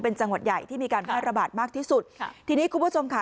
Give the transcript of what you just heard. เป็นจังหวัดใหญ่ที่มีการแพร่ระบาดมากที่สุดค่ะทีนี้คุณผู้ชมค่ะ